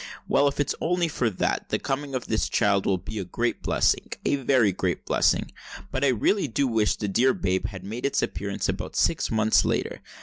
Well—if it's only for that, the coming of this child will be a great blessing—a very great blessing. But I really do wish the dear babe had made its appearance about six months later.